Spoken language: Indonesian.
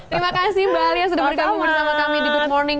terima kasih mbak alia sudah bergabung bersama kami di good morning